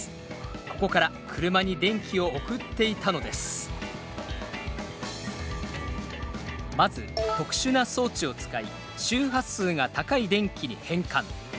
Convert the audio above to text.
ここから車に電気を送っていたのですまず特殊な装置を使い周波数が高い電気に変換。